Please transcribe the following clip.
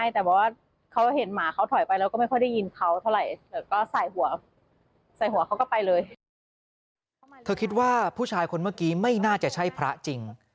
เธอคิดว่าผู้ชายคนเมื่อกี้ไม่น่าจะใช่พระจริง